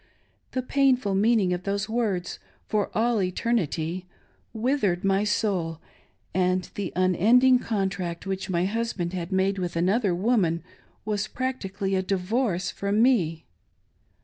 The painful meaning, of those words, "for all eternity'' withered my soul, and the unending contract which my husband had made with another woman was practically a divorce from me.